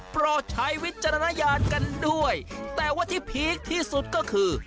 โปรดใช้วิจารณญาณกันด้วยแต่ว่าที่พีคที่สุดก็คือ